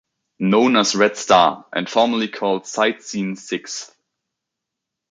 Known as "Red Star", and formerly called the "Sight Seein' Sixth".